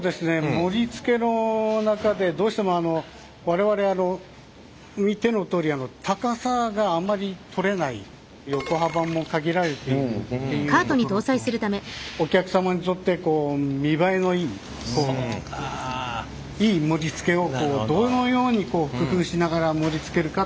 盛りつけの中でどうしても我々見てのとおり横幅も限られているっていうところとお客様にとって見栄えのいいいい盛りつけをどのように工夫しながら盛りつけるかっていうところを。